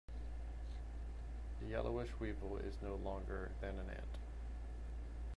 The yellowish weevil is no longer than an ant.